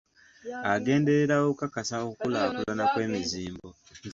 Agenderera okukakasa okukulaakulana kw'emizimbo.